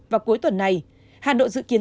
vào cuối tuần này hà nội dự kiến